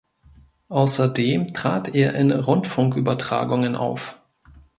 Außerdem trat er in Rundfunkübertragungen auf.